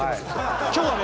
今日はね